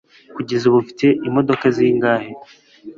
kugeza ubu ufite imodoka zingahe